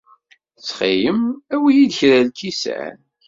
Ttxil-m, awi-iyi-d kra n lkisan.